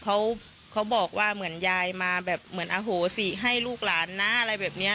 เขาเขาบอกว่าเหมือนยายมาแบบเหมือนอโหสิให้ลูกหลานนะอะไรแบบเนี้ย